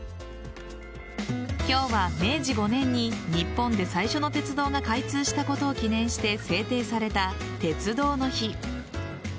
今日は明治５年に日本で最初の鉄道が開通したことを記念して制定された鉄道の日。